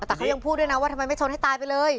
แต่เขายังพูดด้วยนะว่าทำไมไม่ชนให้ตายไปเลย